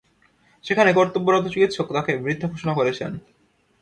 সেখানে কর্তব্যরত চিকিৎসক তাঁকে মৃত ঘোষণা করেছেন।